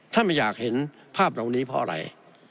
ไม่อยากเห็นภาพเหล่านี้เพราะอะไร